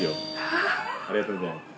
ありがとうございます。